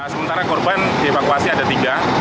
sementara korban dievakuasi ada tiga